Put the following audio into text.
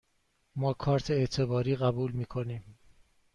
ما کارت اعتباری قبول می کنیم.